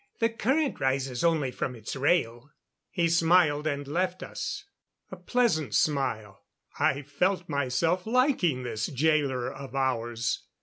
The current rises only from its rail." He smiled and left us. A pleasant smile; I felt myself liking this jailer of ours.